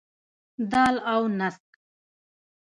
دال او نسک.